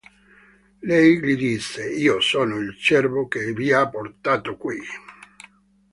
Lei gli disse: "Io sono il cervo che vi ha portato qui.